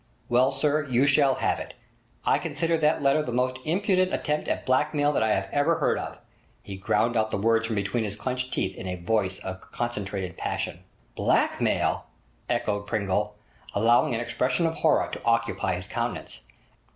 'Well, sir, you shall have it. I consider that letter the most impudent attempt at blackmail that I have ever heard of!' He ground out the words from between his clenched teeth in a voice of concentrated passion. 'Blackmail!' echoed Pringle, allowing an expression of horror to occupy his countenance.